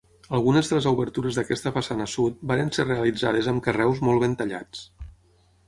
Algunes de les obertures d'aquesta façana sud varen ser realitzades amb carreus molt ben tallats.